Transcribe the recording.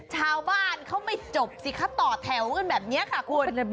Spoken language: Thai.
ชาวบ้านเขาไม่จบสิคะต่อแถวกันแบบนี้ค่ะคุณ